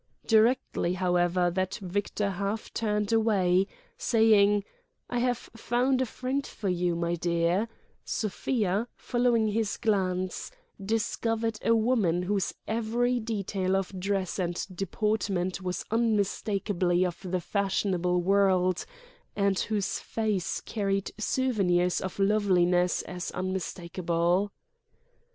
Directly, however, that Victor half turned away, saying "I have found a friend for you, my dear," Sofia, following his glance, discovered a woman whose every detail of dress and deportment was unmistakably of the fashionable world and whose face carried souvenirs of loveliness as unmistakable.